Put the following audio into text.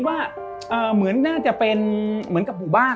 ก็ไม่ออก